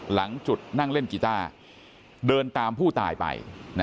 หลังจุดนั่งเล่นกีต้าเดินตามผู้ตายไป